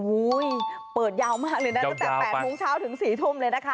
โอ้โหเปิดยาวมากเลยนะตั้งแต่๘โมงเช้าถึง๔ทุ่มเลยนะคะ